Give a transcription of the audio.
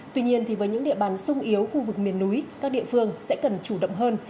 tuy nhiên với những địa bàn sung yếu khu vực miền núi các địa phương sẽ cần chủ động hơn